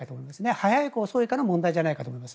早いか遅いかの問題ではないかと思います。